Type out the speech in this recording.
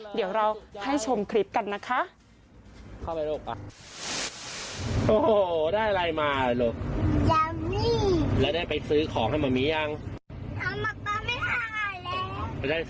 เดี๋ยวเราให้ชมคลิปกันนะคะ